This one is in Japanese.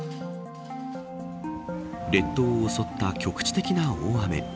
列島を襲った局地的な大雨。